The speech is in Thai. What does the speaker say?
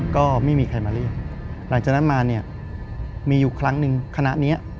ก็ไม่มีใครมาเรียกหลังจากนั้นมาเนี่ยมีอยู่ครั้งหนึ่งคณะนี้